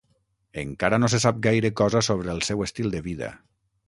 Encara no se sap gaire cosa sobre el seu estil de vida.